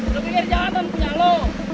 lu pikir jawaban punya lo